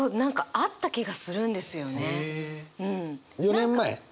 ４年前？